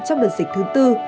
trong đợt dịch thứ bốn